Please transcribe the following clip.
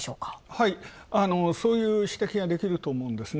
はい、そういう指摘ができると思うんですね。